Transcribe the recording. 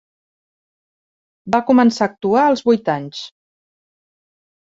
Va començar a actuar als vuit anys.